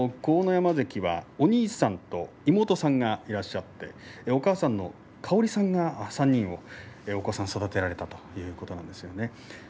山関がお兄さんと妹さんがいらっしゃってお母さんの香織さんが、３人のお子さんを育てられたということです。